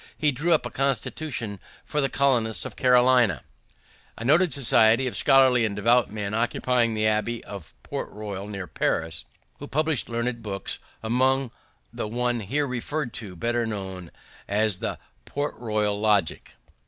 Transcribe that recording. He drew up a constitution for the colonists of Carolina. A noted society of scholarly and devout men occupying the abbey of Port Royal near Paris, who published learned works, among them the one here referred to, better known as the Port Royal Logic.